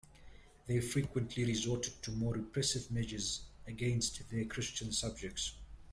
They frequently resorted to more repressive measures against their Christian subjects.